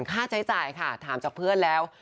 ค่าใช้จ่ายค่ะถามจากเพื่อนแล้ว